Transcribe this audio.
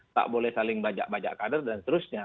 tak boleh saling bajak bajak kader dan seterusnya